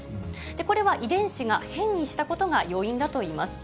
これは遺伝子が変異したことが要因だといいます。